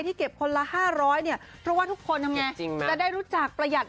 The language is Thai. เก็บคนละ๕๐๐เนี่ยเพราะว่าทุกคนทำไงจะได้รู้จักประหยัด